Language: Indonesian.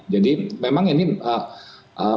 jadi memang ini benar benar ya